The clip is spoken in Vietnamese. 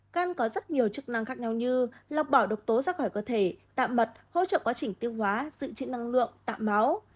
can có rất nhiều chức năng khác nhau như lọc bỏ độc tố ra khỏi cơ thể tạo mật hỗ trợ quá trình tiêu hóa dự trữ năng lượng tạm máu